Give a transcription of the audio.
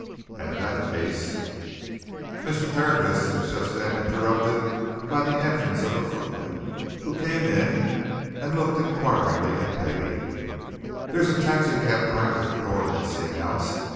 And in that case " Mr. Tertius was just then interrupted by the entrance of a footman who came in and looked inquiringly at Peggie. "There's a taxi cab driver at the door, miss," he announced.